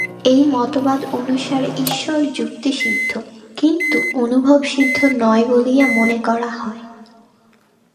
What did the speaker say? এই মতবাদ অনুসারে ঈশ্বর যুক্তিসিদ্ধ, কিন্তু অনুভবসিদ্ধ নয় বলিয়া মনে করা হয়।